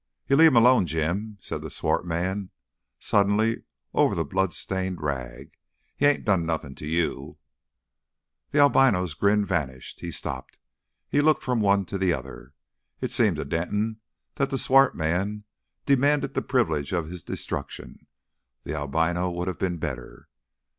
"You leave 'im alone, Jim," said the swart man suddenly over the blood stained rag. "He ain't done nothing to you." The albino's grin vanished. He stopped. He looked from one to the other. It seemed to Denton that the swart man demanded the privilege of his destruction. The albino would have been better.